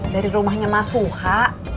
dari rumahnya mas suha